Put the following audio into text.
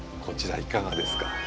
こちらいかがですか？